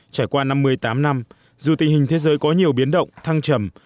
trải qua năm mươi tám năm dù tình hình thế giới có nhiều biến động thăng trầm